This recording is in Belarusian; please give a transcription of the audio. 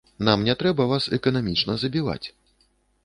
Нам не трэба вас эканамічна забіваць.